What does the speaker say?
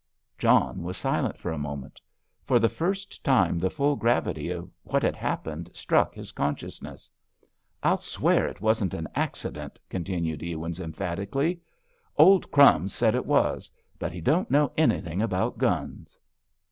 John was silent for a moment. For the first time the full gravity of what had happened struck his consciousness. "I'll swear it wasn't an accident," continued Ewins, emphatically. "Old 'Crumbs' said it was; but he don't know anything about guns."